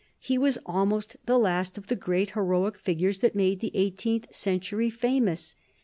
He was almost the last of the great heroic figures that made the eighteenth century famous.